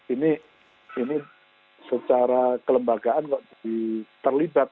ini secara kelembagaan kok terlibat